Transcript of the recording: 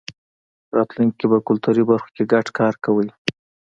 راتلونکی کې به کلتوري برخو کې ګډ کار کوی.